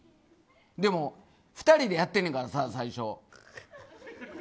でも、２人でやってるんだから最初。